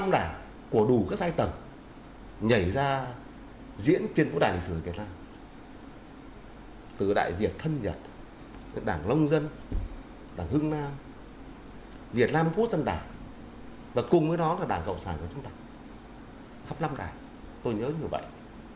một nghìn chín trăm bốn mươi năm một nghìn chín trăm bốn mươi sáu hai mươi năm đảng của đủ các giai tầng nhảy ra diễn trên quốc đại lịch sử việt nam từ đại việt thân nhật đảng lông dân đảng hưng nam việt nam quốc dân đảng và cùng với đó là đảng cộng sản của chúng ta hai mươi năm đảng tôi nhớ như vậy